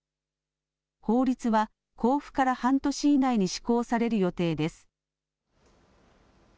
法律は公布から半年以内に施行される予定です。